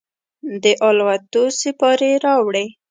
د الوتلوسیپارې راوړي